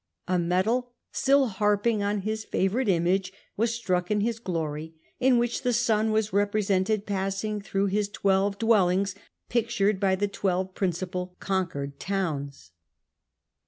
A medal, still harping on his favourite image was struck to his glory, in which the sun was represented passing through his twelve dwellings, pictured by the twelve principal conquered towns.